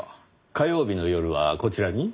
火曜日の夜はこちらに？